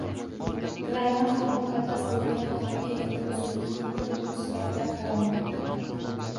Grammi ham muqaddas bo‘lgan paxtaga endi o‘simlikning bir turi sifatida qaralmoqda.